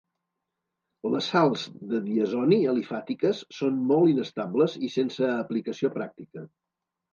Les sals de diazoni alifàtiques són molt inestables i sense aplicació pràctica.